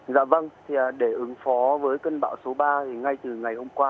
dạ vâng thì để ứng phó với cơn bão số ba thì ngay từ ngày hôm qua